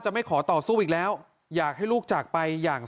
ส่งมาขอความช่วยเหลือจากเพื่อนครับ